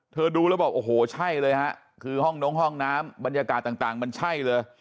ดูแล้วบอกโอ้โหใช่เลยฮะคือห้องน้องห้องน้ำบรรยากาศต่างมันใช่เลย